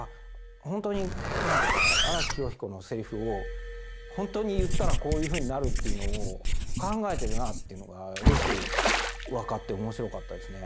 本当に何ていうか「荒木飛呂彦のセリフを本当に言ったらこういうふうになる」というのを考えてるなっていうのがよく分かっておもしろかったですね。